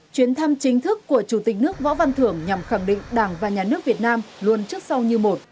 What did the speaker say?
chuyến thăm chính thức của chủ tịch nước võ văn thưởng nhằm khẳng định đảng và nhà nước việt nam luôn trước sau như một